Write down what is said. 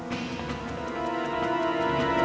tidak ada apa apa